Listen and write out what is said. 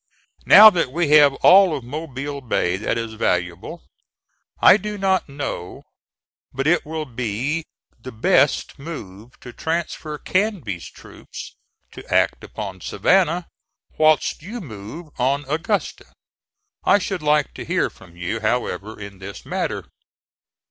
Now that we have all of Mobile Bay that is valuable, I do not know but it will be the best move to transfer Canby's troops to act upon Savannah, whilst you move on Augusta. I should like to hear from you, however, in this matter.